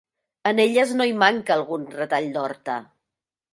En elles no hi manca algun retall d'horta.